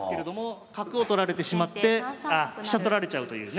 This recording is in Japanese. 角を取られてしまって飛車取られちゃうというね。